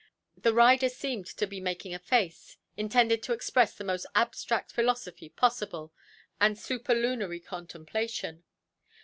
The rider seemed to be making a face, intended to express the most abstract philosophy possible, and superlunary contemplation.